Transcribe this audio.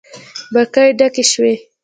بګۍ ډکې شوې.